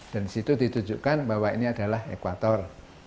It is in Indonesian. dan di situ ditujukan bahwa ini adalah ekuator